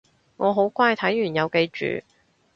我好乖睇完有記住